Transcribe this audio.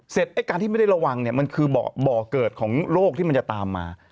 ไอ้การที่ไม่ได้ระวังเนี่ยมันคือบ่อเกิดของโรคที่มันจะตามมา